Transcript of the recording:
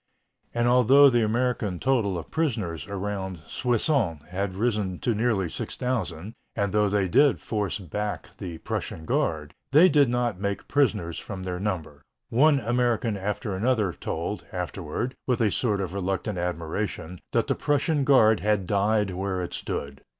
And although the American total of prisoners around Soissons had risen to nearly 6,000, and though they did force back the Prussian guard, they did not make prisoners from their number. One American after another told, afterward, with a sort of reluctant admiration, that the Prussian guard had died where it stood.